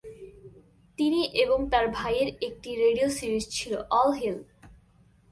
তিনি এবং তার ভাইয়ের একটি রেডিও সিরিজ ছিল, "অল হেল"।